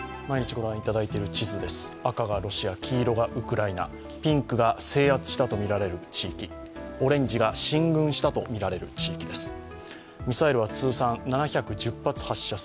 毎日ご覧いただいている地図です、赤がロシア、黄色がウクライナ、ピンクが制圧したとみられる地域、オレンジが進軍したとみられる地域です。